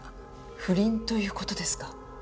不倫という事ですか？